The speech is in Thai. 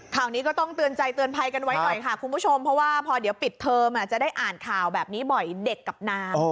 ข่าวนี้ก็ต้องเตือนใจเตือนภัยกันไว้หน่อยค่ะคุณผู้ชมเพราะว่าพอเดี๋ยวปิดเทอมจะได้อ่านข่าวแบบนี้บ่อยเด็กกับนาง